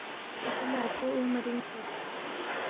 اپی لہ اپو اونگما رِینگسید